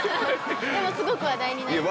でもすごく話題になりましたし。